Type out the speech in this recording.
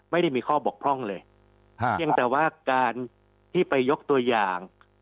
ไม่ได้มีข้อบกพร่องเลยเพียงแต่ว่าการที่ไปยกตัวอย่าง